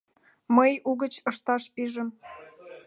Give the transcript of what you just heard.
Мый угыч ышташ пижым.